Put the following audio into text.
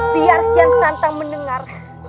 biar tianta mendengar